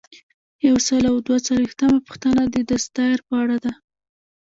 یو سل او دوه څلویښتمه پوښتنه د دساتیر په اړه ده.